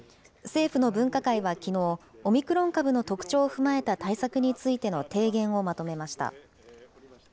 政府の分科会はきのう、オミクロン株の特徴を踏まえた対策についての提言をまとめました。